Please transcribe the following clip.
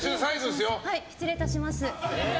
失礼いたします。